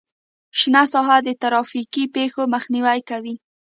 شنه ساحه د ترافیکي پیښو مخنیوی کوي